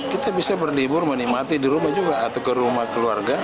kita bisa berlibur menikmati di rumah juga atau ke rumah keluarga